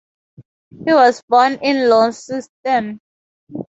He was born in Launceston.